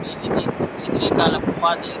ام هاني رضی الله عنها چا ته پناه ورکړې وه؟